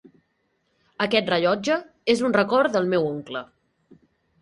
Aquest rellotge és un record del meu oncle.